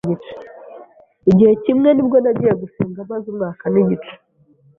Igihe kimwe nibwo nagiye gusenga maze umwaka n’igice